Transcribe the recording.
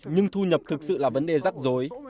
nhưng thu nhập thực sự là vấn đề rắc rối